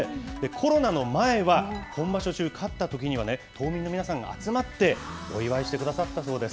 コロナの前は、本場所中、勝ったときには島民の皆さんが集まってお祝いしてくださったそうです。